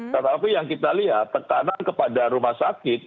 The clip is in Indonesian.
tetapi yang kita lihat tekanan kepada rumah sakit